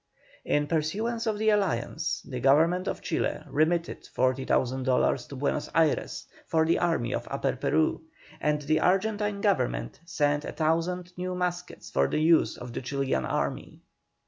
In pursuance of the Alliance, the Government of Chile remitted 40,000 dollars to Buenos Ayres for the army of Upper Peru, and the Argentine Government sent a thousand new muskets for the use of the Chilian army.